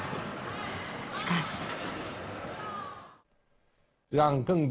しかし。